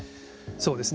そうですね。